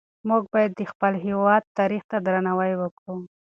موږ باید د خپل هېواد تاریخ ته درناوی وکړو.